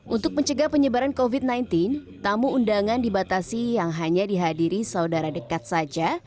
untuk mencegah penyebaran covid sembilan belas tamu undangan dibatasi yang hanya dihadiri saudara dekat saja